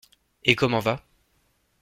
Et comment va?